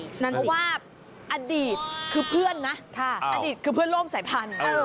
เพราะว่าอดีตคือเพื่อนนะอดีตคือเพื่อนร่วมสายพันธุ์